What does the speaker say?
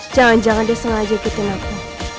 jangan jangan dia sengaja ikutin aku